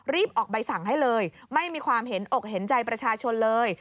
ออกใบสั่งให้เลยไม่มีความเห็นอกเห็นใจประชาชนเลย